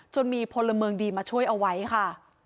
จนมีพลเมืองดีมาช่วยเอาไว้ค่ะ